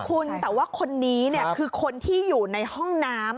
คุณแต่ว่าคนนี้คือคนที่อยู่ในห้องน้ำ